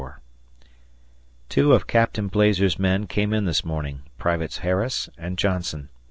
Two of Captain Blazer's men came in this morning Privates Harris and Johnson.